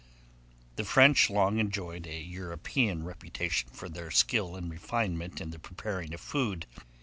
The French long enjoyed a European reputation for their skill and refinement in the preparing of food.